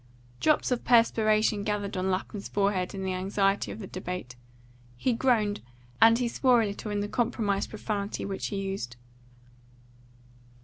Drops of perspiration gathered on Lapham's forehead in the anxiety of the debate; he groaned, and he swore a little in the compromise profanity which he used.